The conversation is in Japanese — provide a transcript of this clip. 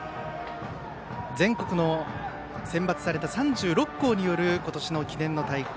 全国の選抜された３６校による今年の記念の大会。